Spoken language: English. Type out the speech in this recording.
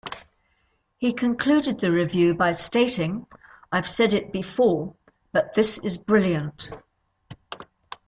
He concluded the review by stating, I've said it before... but this is brilliant.